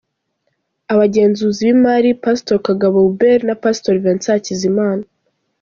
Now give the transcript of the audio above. Abagenzuzi b’imari: Pastor Kagabo Hubert na Pastor Vincent Hakizimana.